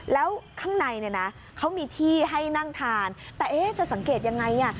แล้วข้างในเนี่ยนะเขามีที่ให้นั่งทานแต่เอ๊ะจะสังเกตยังไงอ่ะ